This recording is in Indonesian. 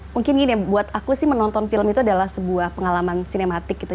mungkin gini buat aku sih menonton film itu adalah sebuah pengalaman sinematik gitu